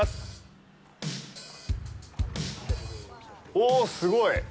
おっ、すごい！